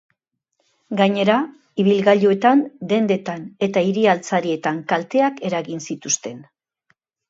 Gainera, ibilgailuetan, dendetan eta hiri-altzarietan kalteak eragin zituzten.